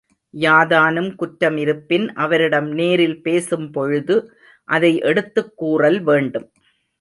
யாதானும் குற்றமிருப்பின் அவரிடம் நேரில் பேசும்பொழுது அதை எடுத்துக் கூறல் வேண்டும்.